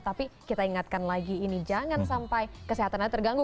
tapi kita ingatkan lagi ini jangan sampai kesehatannya terganggu